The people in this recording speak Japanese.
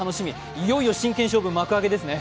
いよいよ真剣勝負幕開けですね。